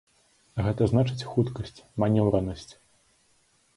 Гэта значыць хуткасць, манеўранасць.